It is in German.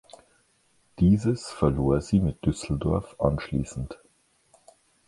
Dieses verlor sie mit Düsseldorf anschließend.